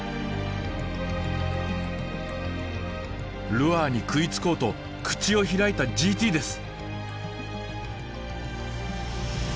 ルアーに食いつこうと口を開いたＧＴです。